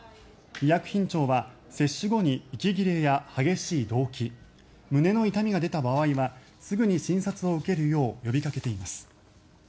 医薬品庁は接種後に息切れや激しい動悸胸の痛みが出た場合はすぐに診察を受けるよう呼びかけています。